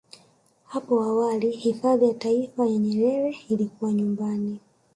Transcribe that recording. Hapo awali hifadhi ya Taifa ya Nyerere ilikuwa nyumbani